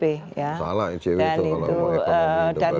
salah icw itu kalau ngomong ekonomi itu bagus